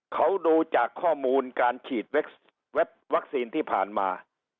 เขาดูจากข้อมูลการฉีดวัคซีนที่ผ่านมา